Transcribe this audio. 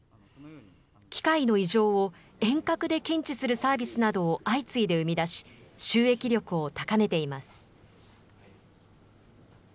機械の異常を遠隔で検知するサービスなどを相次いで生み出し、収益力を高めています。